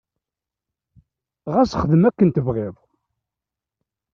Ɣas xdem akken tebɣiḍ.